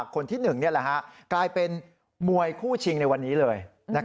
กลายเป็นม่วยคู่ชิงก์ในวันนี้เลย